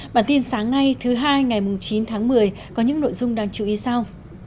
bản tin sáng nay thứ hai ngày chín tháng một mươi có những nội dung đáng chú ý sau